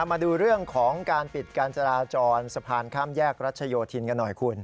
มาดูเรื่องของการปิดการจราจรสะพานข้ามแยกรัชโยธินกันหน่อยคุณ